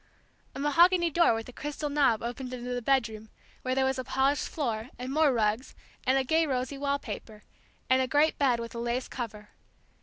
A mahogany door with a crystal knob opened into the bedroom, where there was a polished floor, and more rugs, and a gay rosy wall paper, and a great bed with a lace cover.